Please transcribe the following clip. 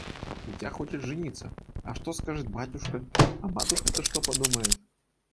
– Дитя хочет жениться! А что скажет батюшка, а матушка-то что подумает?»